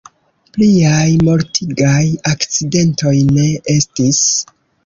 Pliaj mortigaj akcidentoj ne estis.